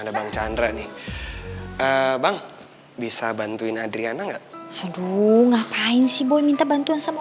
ada bang chandra nih bang bisa bantuin adriana enggak aduh ngapain sih boy minta bantuan sama